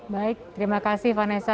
baik terima kasih vanessa